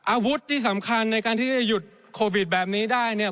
อาวุธที่สำคัญในการที่จะหยุดโควิดแบบนี้ได้เนี่ย